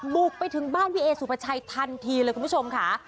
บุกไปถึงบ้านพี่เอสุภาชัยทันทีเลยคุณผู้ชมค่ะ